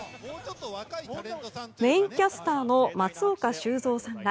メインキャスターの松岡修造さんら